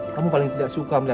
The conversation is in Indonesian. kamu paling tidak suka melihat